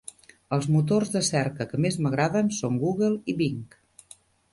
Els motors de cerca que més m'agraden són Google i Bing.